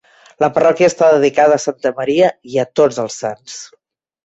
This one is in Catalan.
La parròquia està dedicada a Santa Maria i a tots els sants.